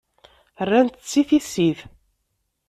Rrant-tt i tissit.